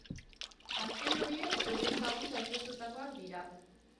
Azken horiek euren kabuz aurkeztutakoak dira.